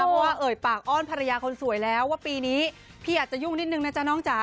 เพราะว่าเอ่ยปากอ้อนภรรยาคนสวยแล้วว่าปีนี้พี่อาจจะยุ่งนิดนึงนะจ๊ะน้องจ๋า